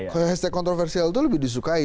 hashtag kontroversial itu lebih disukai